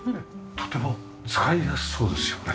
とても使いやすそうですよね。